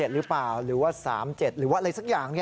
หรือเปล่าหรือว่า๓๗หรือว่าอะไรสักอย่าง